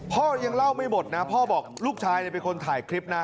พ่อยังเล่าไม่หมดนะพ่อบอกลูกชายเป็นคนถ่ายคลิปนะ